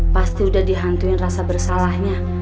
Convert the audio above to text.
pasti udah dihantuin rasa bersalahnya